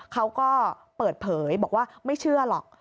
เขาก็เปิดเผยบอกว่าไม่เชื่อหรอก